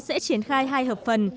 sẽ triển khai hai hợp phần